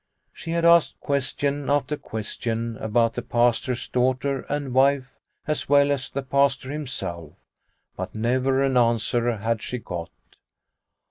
She had asked question after question about the Pastor's daughter and wife as well as the Pastor himself, but never an answer had she got.